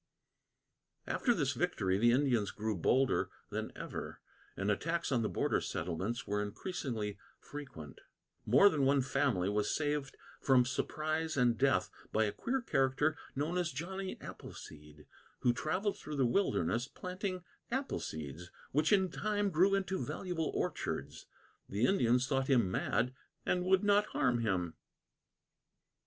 After this victory, the Indians grew bolder than ever, and attacks on the border settlements were increasingly frequent. More than one family was saved from surprise and death by a queer character known as Johnny Appleseed, who travelled through the wilderness planting apple seeds which in time grew into valuable orchards. The Indians thought him mad and would not harm him.